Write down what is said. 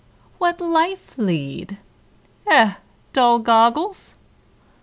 What life lead? eh, dull goggles?